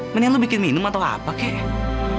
mendingan lo bikin minum atau apa kek